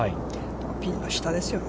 ピンの下ですよね。